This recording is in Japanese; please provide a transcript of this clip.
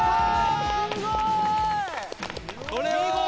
すごい！